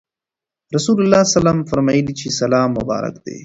رسول الله صلی الله عليه وسلم فرمایلي چې سلام مبارک دی.